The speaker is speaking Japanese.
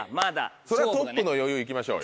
トップの余裕いきましょうよ。